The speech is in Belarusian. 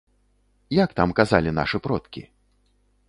Як там казалі нашы продкі?